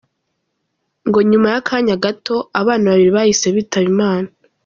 Ngo nyuma y’akanya gato, abana babiri bahise bitaba Imana.